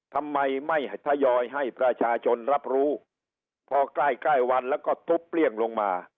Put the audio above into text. ทำไมไม่ทยอยให้ประชาชนรับรู้พอใกล้ใกล้วันแล้วก็ทุบเปรี้ยงลงมา